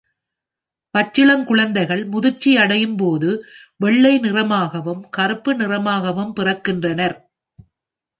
பச்சிளங் குழந்தைகள் முதிர்ச்சியடையும்போது வெள்ளை நிறமாகவும் கருப்பு நிறமாகவும் பிறக்கின்றனர்.